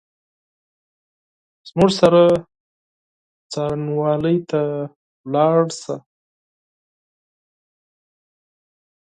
زموږ سره څارنوالۍ ته ولاړ شه !